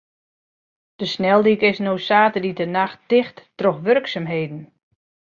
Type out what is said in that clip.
De sneldyk is no saterdeitenacht ticht troch wurksumheden.